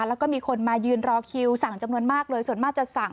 แล้วก็มีคนมายืนรอคิวสั่งจำนวนมากเลยส่วนมากจะสั่ง